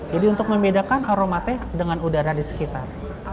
jadi untuk membedakan aromanya dengan udara di sekitar